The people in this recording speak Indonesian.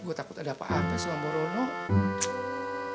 gue takut ada apa apa sih sama bau rono